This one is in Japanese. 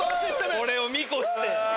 これを見越して。